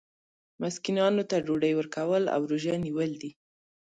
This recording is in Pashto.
مسکینانو ته ډوډۍ ورکول او روژه نیول دي.